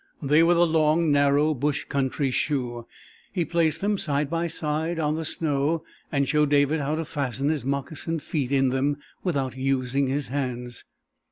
They were the long, narrow, bush country shoe. He placed them side by side on the snow and showed David how to fasten his moccasined feet in them without using his hands.